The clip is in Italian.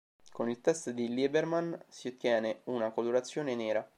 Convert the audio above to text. Con il test di Liebermann si ottiene una colorazione nera.